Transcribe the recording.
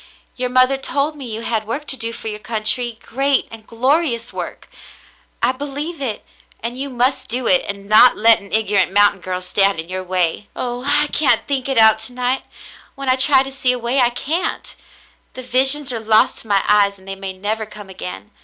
Your mother told me you had work to do for your country, great and glorious work. I believe it, and you must do it and not let an ignorant mountain girl stand in your way. *'0h ! I can't think it out to night. When I try to see a way, I can't. The visions are lost to my eyes, and they may never come again.